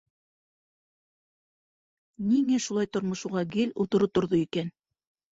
Ниңә шулай тормош уға гел оторо торҙо икән?